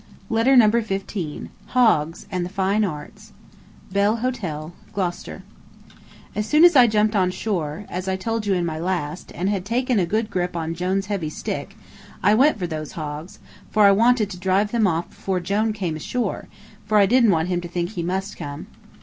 Letter Number Fifteen BELL HOTEL, GLOUCESTER As soon as I jumped on shore, as I told you in my last, and had taken a good grip on Jone's heavy stick, I went for those hogs, for I wanted to drive them off before Jone came ashore, for I didn't want him to think he must come.